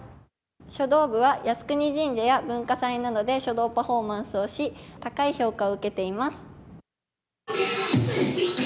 書道部は靖国神社や文化祭などで書道パフォーマンスをし高い評価を受けています。